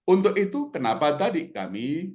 untuk itu kenapa tadi kami